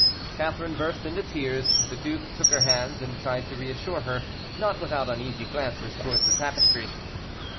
Catherine burst into tears. The duke took her hands, and tried to reassure her, not without uneasy glances towards the tapestry.